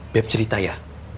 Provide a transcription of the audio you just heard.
beb cerita ya